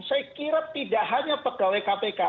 saya kira tidak hanya pegawai kpk